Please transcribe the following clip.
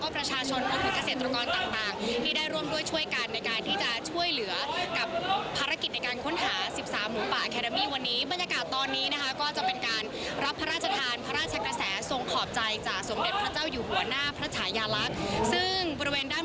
ไปชมบรรยากาศส่วนนะฮะ